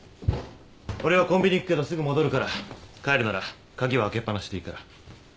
俺はコンビニ行くけどすぐ戻るから帰るなら鍵は開けっぱなしでいいから。